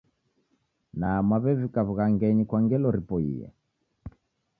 Na mwawevika wughangenyi kwa ngelo ripoiye?